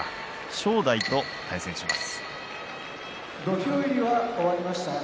正代と対戦します。